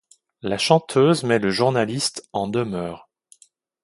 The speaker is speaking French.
La chanteuse met le journaliste en demeure.